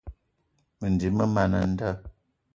Mendim man a nda.